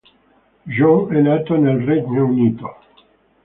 John, è nato nel Regno Unito.